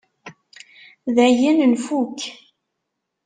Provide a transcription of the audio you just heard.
Dayen nfukk?